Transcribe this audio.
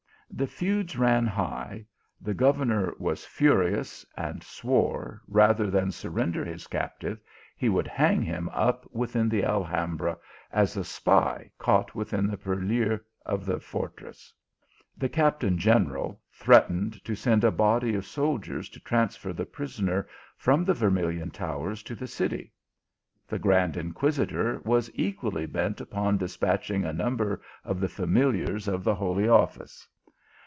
The feuds ran high ; the gov ernor was furious, and swore, rather than surrender his captive, he would hang him up within the Al hambra, as a spy caught within the purlieus of the fortress. The captain general threatened to send a body of soldiers to transfer the prisoner from the Vermilion Bowers to the city. The grand Inquisitor was equally bent upon despatching a number of the fa miliars of the holy office.